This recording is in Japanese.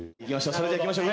それではいきましょう。